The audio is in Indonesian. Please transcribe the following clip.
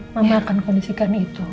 mama akan kondisikan itu